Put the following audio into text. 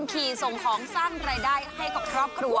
ขี่ส่งของสร้างรายได้ให้กับครอบครัว